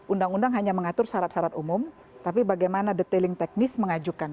undang undang hanya mengatur syarat syarat umum tapi bagaimana detailing teknis mengajukan